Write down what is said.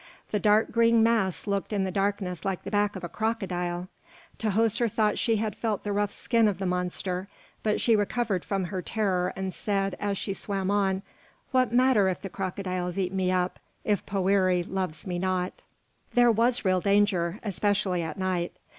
The dark, green mass looked in the darkness like the back of a crocodile; Tahoser thought she had felt the rough skin of the monster; but she recovered from her terror and said, as she swam on, "What matter if the crocodiles eat me up, if Poëri loves me not?" There was real danger, especially at night.